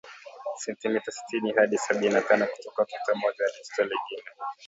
sentimita sitini hadi sabini na tano kutoka tuta moja hadi tuta lingine